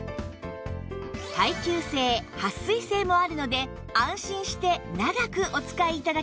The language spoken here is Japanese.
耐久性はっ水性もあるので安心して長くお使い頂けます